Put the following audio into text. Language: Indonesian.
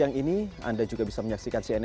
yang masuk dengan cara ilegal dan itu sangat berbahaya